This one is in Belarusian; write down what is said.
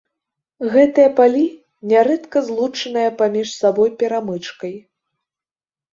Гэтыя палі нярэдка злучаныя паміж сабой перамычкай.